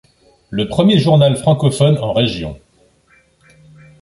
Le premier journal francophone en région.